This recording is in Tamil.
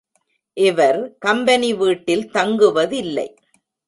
இவர் கம்பெனி வீட்டில் தங்குவதில்லை.